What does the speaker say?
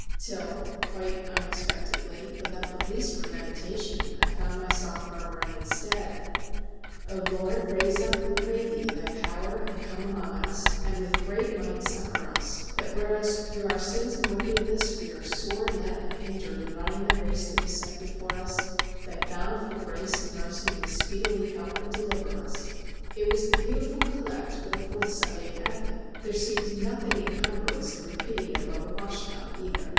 Till, quite unexpectedly, without the least premeditation, I found myself murmuring instead:— "O Lord, raise up, we pray Thee, Thy power, and come among us, and with great might succour us; that whereas, through our sins and wickedness, we are sore let and hindered in running the race that is set before us, Thy bountiful grace and mercy may speedily help and deliver us;..." It was the beautiful collect for the Fourth Sunday in Advent. There seemed nothing incongruous in repeating it above a washtub, either!